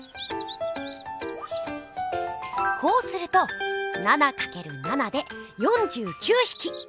こうすると７かける７で４９ひき。